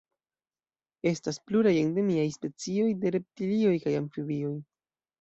Estas pluraj endemiaj specioj de reptilioj kaj amfibioj.